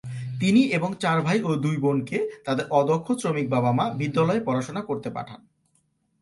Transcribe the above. তিনি এবং চার ভাই ও দুই বোনকে তাদের অদক্ষ শ্রমিক বাবা -মা বিদ্যালয়ে পড়াশোনা করতে পাঠান।